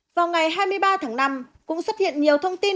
vào ngày hai mươi ba tháng năm cũng xuất hiện nhiều thông tin